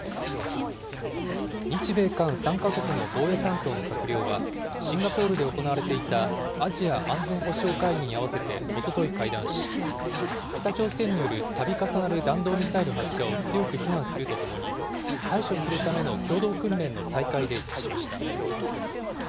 日米韓３か国の防衛担当の閣僚は、シンガポールで行われていたアジア安全保障会議に合わせておととい会談し、北朝鮮によるたび重なる弾道ミサイル発射を強く非難するとともに、対処するための共同訓練の再開で一致しました。